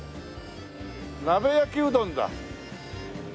鍋焼きうどんだ。